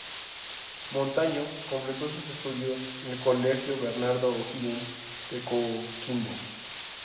Montaño completó sus estudios en el Colegio Bernardo O'Higgins de Coquimbo.